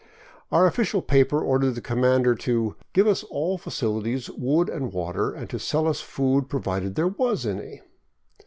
Our official paper ordered the commander to " give us all facilities, wood and water, and to sell us food — provided there was any."